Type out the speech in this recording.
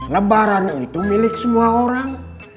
lebaran itu milik semua orang